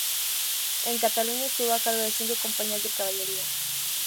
En Cataluña estuvo a cargo de cinco compañías de caballería.